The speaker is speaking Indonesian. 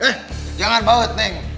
eh jangan baut neng